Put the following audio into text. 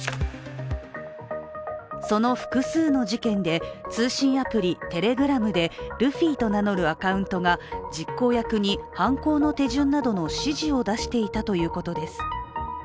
その複数の事件で通信アプリ、Ｔｅｌｅｇｒａｍでルフィと名乗る人物は実行役に犯行の手順などの指示を出していたということです。